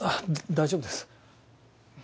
大丈夫です。